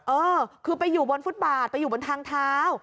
เออคือไปอยู่บนฟุตบาทไปอยู่บนทางเท้า